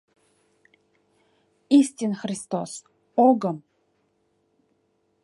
— Истин Христос, огым!